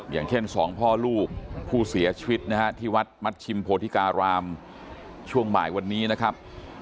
อย่างเช่นสองพ่อลูกผู้เสียชีวิตนะฮะที่วัดมัชชิมโพธิการามช่วงบ่ายวันนี้นะครับ